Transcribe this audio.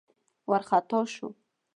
وار خطا شوه.